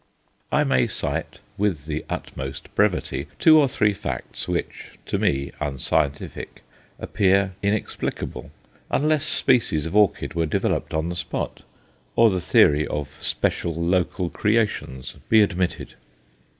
I may cite, with the utmost brevity, two or three facts which to me unscientific appear inexplicable, unless species of orchid were developed on the spot; or the theory of special local creations be admitted.